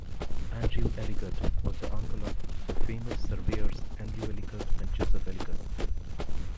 Andrew Ellicott was the uncle of the famous surveyors Andrew Ellicott and Joseph Ellicott.